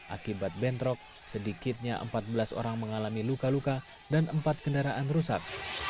akibat bentrok sedikitnya empat belas orang mengalami luka luka dan empat kendaraan rusak